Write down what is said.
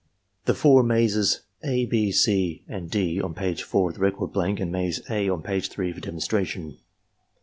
— The four mazes (a), (6), (c), and (d) on page 4 of the record blank and maze (a) on page 3 for demonstration.